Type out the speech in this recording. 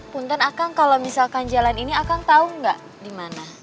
puntan kalau misalkan jalan ini akang tau gak di mana